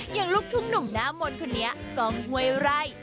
อย่างลูกทุ่มหนุ่มหน้ามนต์คนนี้กองเฮ้ยไร่